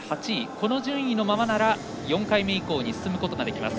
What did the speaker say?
この順位のままなら４回目以降に進めます。